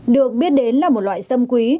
được biết đến là một loại sâm quý